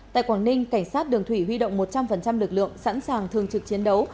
tại quảng ninh cảnh sát đường thủy huy động một trăm linh lực lượng sẵn sàng thường trực chiến đấu